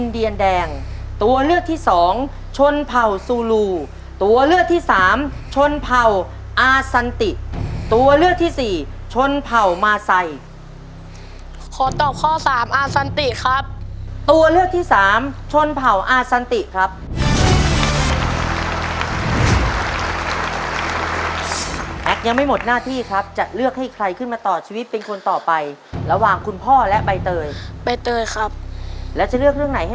ตัวเลือกที่สองชนเผ่าซูลูตัวเลือกที่สามชนเผ่าอาสันติตัวเลือกที่สี่ชนเผ่ามาไซขอตอบข้อสามอาซันติครับตัวเลือกที่สามชนเผ่าอาสันติครับยังไม่หมดหน้าที่ครับจะเลือกให้ใครขึ้นมาต่อชีวิตเป็นคนต่อไประหว่างคุณพ่อและใบเตยใบเตยครับแล้วจะเลือกเรื่องไหนให้